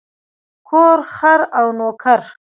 کور، خر او نوکر.